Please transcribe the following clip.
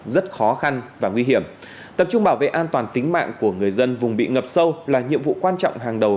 rất khó khăn và nguy hiểm tập trung bảo vệ an toàn tính mạng của người dân vùng bị ngập sâu là nhiệm vụ quan trọng hàng đầu